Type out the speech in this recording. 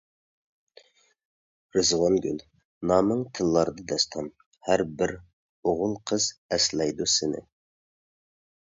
رىزۋانگۈل نامىڭ تىللاردا داستان، ھەربىر ئوغۇل قىز ئەسلەيدۇ سىنى.